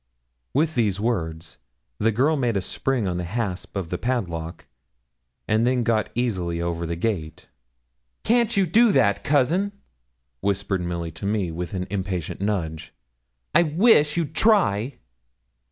With these words the girl made a spring on the hasp of the padlock, and then got easily over the gate. 'Can't you do that, cousin?' whispered Milly to me, with an impatient nudge. 'I wish you'd try.'